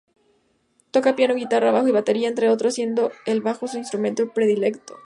Toca piano, guitarra, bajo y batería, entre otros, siendo el bajo su instrumento predilecto.